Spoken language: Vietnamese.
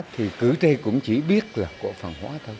thì cử tri cũng chỉ biết là cổ phần hóa thôi